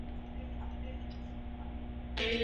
Live and Acoustic at Park Ave.